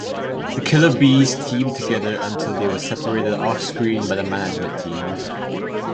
The Killer Bees teamed together until they were separated off-screen by the management team.